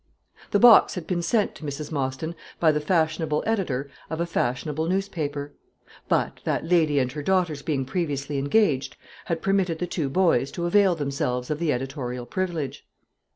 The box had been sent to Mrs. Mostyn by the fashionable editor of a fashionable newspaper; but that lady and her daughters being previously engaged, had permitted the two boys to avail themselves of the editorial privilege.